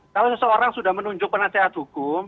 kalau seseorang sudah menunjuk penasehat hukum